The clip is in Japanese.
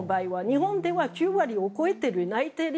日本では９割を超えている内定率